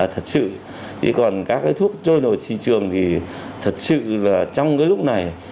thật sự thì còn các cái thuốc trôi nổi trên trường thì thật sự là trong cái lúc này